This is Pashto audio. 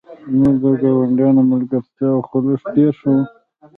زموږ د ګاونډیانو ملګرتیا او خلوص ډیر ښه و